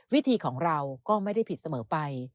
วิธีของเราก็ไม่ได้ผิดเสมอไป